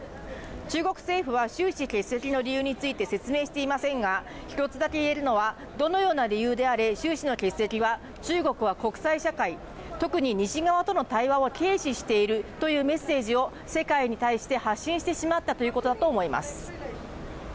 中国政府は習氏欠席の理由について説明していませんが１つだけ言えるのは、どのような理由であれ習氏欠席は中国は国際社会、特に西側との対話を軽視しているというメッセージを世界に対して発信してしまったということだと思います。